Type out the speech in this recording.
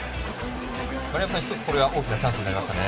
丸山さん、一つ大きなチャンスになりましたね。